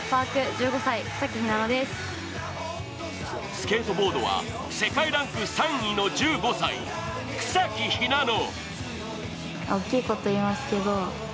スケートボードは世界ランク３位の１５歳、草木ひなの。